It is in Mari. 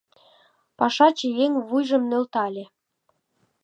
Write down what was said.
Пашаче еҥ вуйжым нӧлтале.